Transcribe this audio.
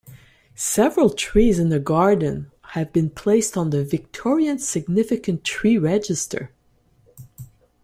Several trees in the garden have been placed on the Victorian Significant Tree Register.